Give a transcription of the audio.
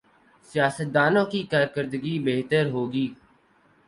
سیاستدانوں کی کارکردگی بہتر ہو گی۔